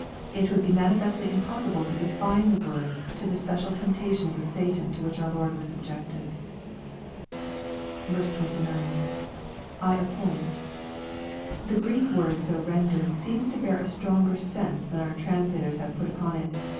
It would be manifestly impossible to confine the word to the special temptations of Satan to which our Lord was subjected. 29. —[/ appoint.] The Greek word so rendered seems to bear a stronger sense than our translators have put upon it.